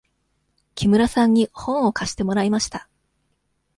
木村さんに本を貸してもらいました。